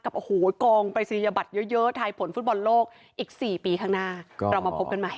กับโอ้โหกองประสิทธิบัติเยอะไทยผลฟุตบอลโลกอีก๔ปีข้างหน้าเรามาพบกันใหม่